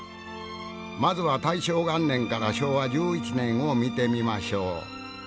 まずは大正元年から昭和１１年を見てみましょう。